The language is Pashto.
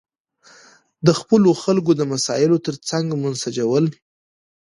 د خپلو خلکو د مسایلو ترڅنګ منسجمول.